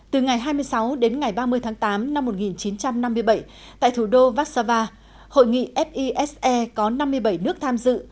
từ ngày hai mươi sáu đến ngày ba mươi tháng tám năm một nghìn chín trăm năm mươi bảy tại thủ đô vác sava hội nghị fise có năm mươi bảy nước tham dự